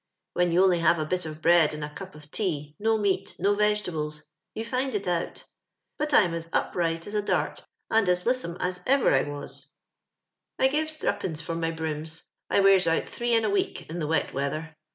When yoB oidy h«re a bit of bread and a cup of tea —no meat, no vegetables — you find it out; but I'm as upright as a dart, and as lissom as ever I was. I gives threepence for my brooms. I wears out three in a week in the wet weather.